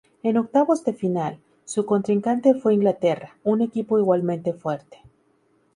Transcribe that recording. En octavos de final, su contrincante fue Inglaterra, un equipo igualmente fuerte.